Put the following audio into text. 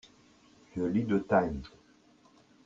Je lis le Times.